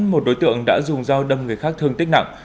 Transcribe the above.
một đối tượng đã dùng dao đâm người khác thương tích nặng